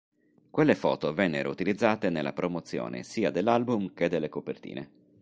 Quelle foto vennero utilizzate nella promozione sia dell'album che delle copertine.